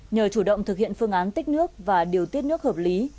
nhờ chủ động thực hiện phương án tích nước và điều tiết nước hợp lý